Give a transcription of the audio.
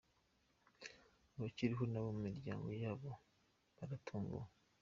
Abakiriho n’abo mu miryango yabo baratunguwe!.